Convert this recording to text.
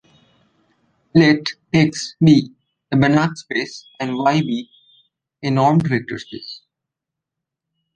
Let "X" be a Banach space and "Y" be a normed vector space.